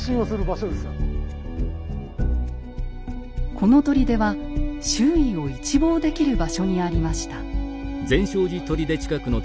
この砦は周囲を一望できる場所にありました。